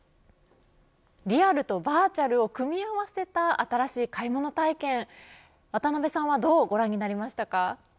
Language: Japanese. リアルとバーチャルを組み合わせた新しい買い物体験渡辺さんはどうご覧になりましたか。